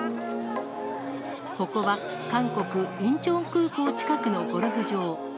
ここは韓国・インチョン空港近くのゴルフ場。